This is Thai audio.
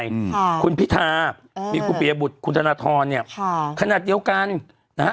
อืมค่ะคุณพิธาอืมมีคุณปียบุตรคุณธนทรเนี่ยค่ะขนาดเดียวกันนะฮะ